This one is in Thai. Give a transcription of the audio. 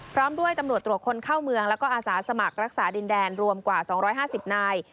พร้อมด้วยตำรวจตรวจคนเข้าเมืองแล้วก็อาสาสมัครรักษาดินแดนรวมกว่า๒๕๐นาย